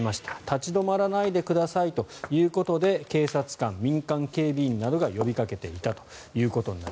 立ち止まらないでくださいということで警察官、民間警備員などが呼びかけていたと。